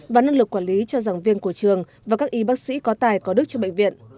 và năng lực quản lý cho giảng viên của trường và các y bác sĩ có tài có đức cho bệnh viện